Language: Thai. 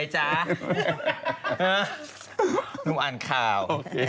หนุ่มอ่านข่าว